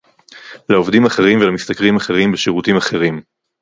לעובדים אחרים ולמשתכרים אחרים בשירותים אחרים